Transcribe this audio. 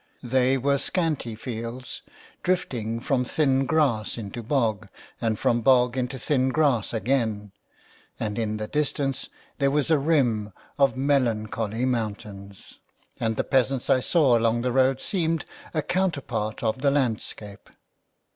They were scanty fields, drifting from thin grass into bog, and from bog into thin grass again, and in the distance there was a rim of melancholy mountains, and the peasants I saw along the road seemed a counterpart of the landscape.